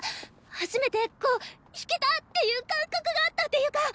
初めてこう「弾けた！」っていう感覚があったっていうか。